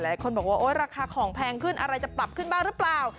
หลายคนบอกว่าโอ๊ยราคาของแพงขึ้นอะไรจะปรับขึ้นบ้างหรือเปล่า